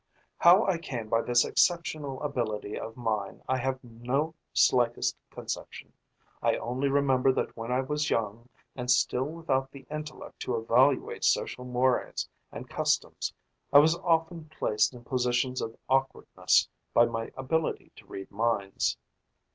"How I came by this exceptional ability of mine, I have no slightest conception. I only remember that when I was young, and still without the intellect to evaluate social mores and customs, I was often placed in positions of awkwardness by my ability to read minds.